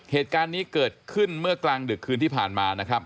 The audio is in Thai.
เหตุการณ์นี้เกิดขึ้นเมื่อกลางดึกคืนที่ผ่านมานะครับ